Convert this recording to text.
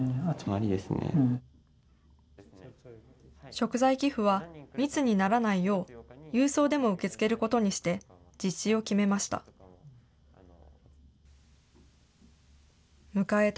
食材寄付は、密にならないよう、郵送でも受け付けることにして、実施を決めました。